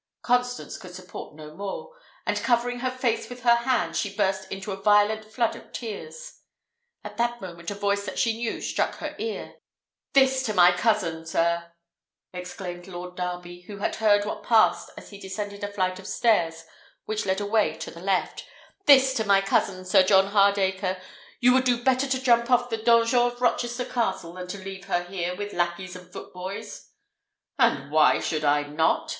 Constance could support no more, and covering her face with her hands, she burst into a violent flood of tears. At that moment a voice that she knew struck her ear. "This to my cousin, sir!" exclaimed Lord Darby, who had heard what passed as he descended a flight of stairs which led away to the left; "this to my cousin, Sir John Hardacre! You would do better to jump off the donjon of Rochester Castle than to leave her here with lacqueys and footboys." "And why should I not?"